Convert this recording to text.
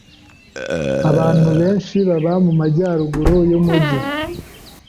Abantu benshi baba mu majyaruguru yumujyi.